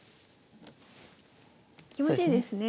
気持ちいいですね。